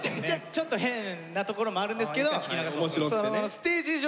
ちょっと変なところもあるんですけど。